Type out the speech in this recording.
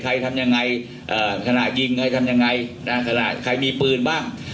ใครทำยังไงเอ่อขณะยิงใครทำยังไงนะครับขณะใครมีปืนบ้าง